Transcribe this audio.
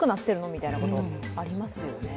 みたいなこと、ありますよね。